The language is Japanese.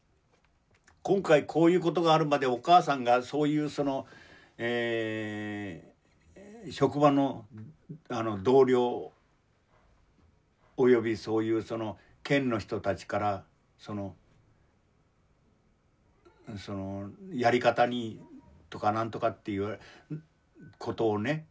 今回こういうことがあるまでお母さんがそういうその職場の同僚およびそういうその県の人たちからそのそのやり方にとか何とかっていうことをね